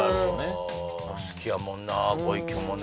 うん好きやもんな小池もね